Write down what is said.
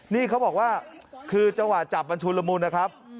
นี่เขาบอกว่าคือจังหวะจับมันชุนละมุนนะครับ